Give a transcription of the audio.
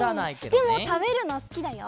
でもたべるのすきだよ。